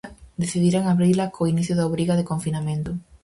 Decidiran abrila co inicio da obriga de confinamento.